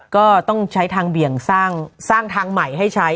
ก็ต้องใช้ทางเบี่ยงสร้างทางใหม่ให้ใช้